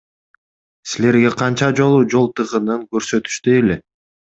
Силерге канча жолу жол тыгынын көрсөтүштү эле?